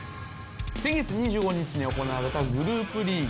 先月２５日に行われたグループリーグ